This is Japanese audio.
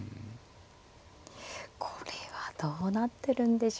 これはどうなってるんでしょうか。